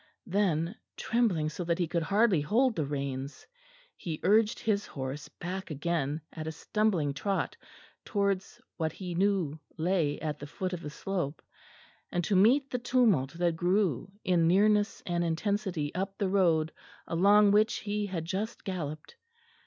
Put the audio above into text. Then, trembling so that he could hardly hold the reins, he urged his horse back again at a stumbling trot towards what he knew lay at the foot of the slope, and to meet the tumult that grew in nearness and intensity up the road along which he had just galloped.